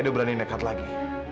aku berani dekat lagi